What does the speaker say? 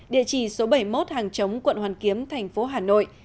địa chỉ số bảy mươi một hàng chống quận hoàn kiếm thành phố hà nội